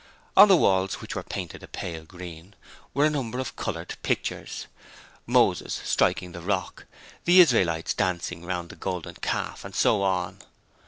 On the walls which were painted a pale green were a number of coloured pictures: Moses striking the Rock, the Israelites dancing round the Golden Calf, and so on.